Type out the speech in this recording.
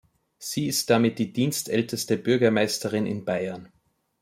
Sie ist damit die dienstälteste Bürgermeisterin in Bayern.